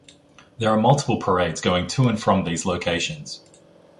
There are multiple parades going to and from these locations.